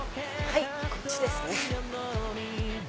はいこっちですね。